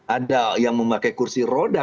ada yang memakai kursi roda